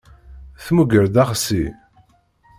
Tmugger-d aɣsi.